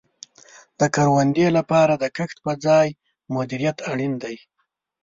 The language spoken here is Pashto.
د کروندې لپاره د کښت په ځای مدیریت اړین دی.